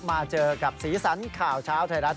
มาเจอกับสีสันข่าวเช้าไทยรัฐ